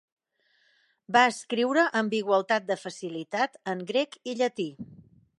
Va escriure amb igualtat de facilitat en grec i llatí.